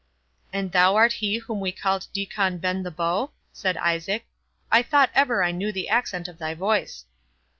"And thou art he whom we called Diccon Bend the Bow?" said Isaac; "I thought ever I knew the accent of thy voice."